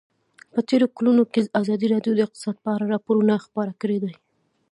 په تېرو کلونو کې ازادي راډیو د اقتصاد په اړه راپورونه خپاره کړي دي.